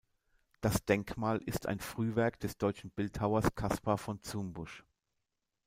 Das Denkmal ist ein Frühwerk des deutschen Bildhauers Caspar von Zumbusch.